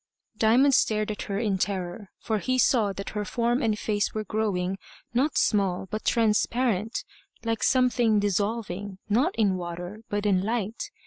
Diamond stared at her in terror, for he saw that her form and face were growing, not small, but transparent, like something dissolving, not in water, but in light.